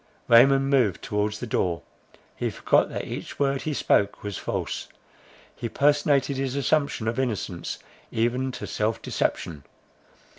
Raymond moved towards the door. He forgot that each word he spoke was false. He personated his assumption of innocence even to self deception.